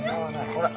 ほら。